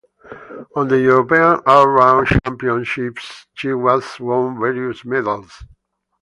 On the European Allround Championships she has won various medals.